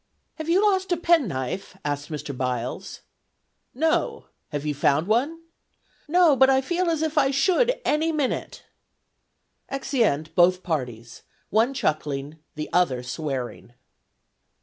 "Have you lost a penknife?" asked Mr. Byles. "No! Have you found one?" "No, but I feel as if I should any minute!" Exeunt both parties, one chuckling, the other swearing.